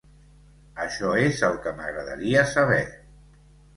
Això és el que m'agradaria saber!